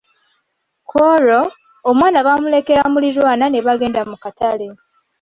Ku olwo, omwana baamulekera muliraanwa ne bagenda mu katale.